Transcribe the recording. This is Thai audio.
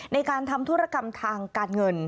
ในการทำธุรกรรมทางการเงิน